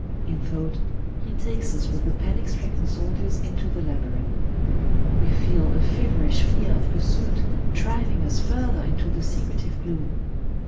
In thought, he takes us with the panic stricken soldiers into the labyrinth. We feel a feverish fear of pursuit driving us further into the secretive gloom.